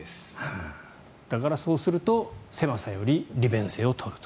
だから、そうすると狭さより利便性を取ると。